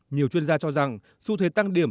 nhiều chuyên gia cho rằng xu thế tăng điểm